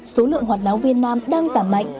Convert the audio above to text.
số lượng hoạt nạ viên nam đang giảm mạnh